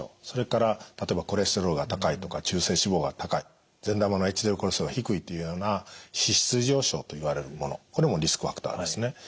それから例えばコレステロールが高いとか中性脂肪が高い善玉のＨＤＬコレステロールが低いというような脂質異常症といわれるものこれもリスクファクターですね。